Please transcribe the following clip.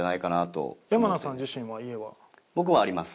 僕はあります。